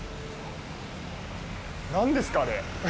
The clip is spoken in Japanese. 何ですか、あれ。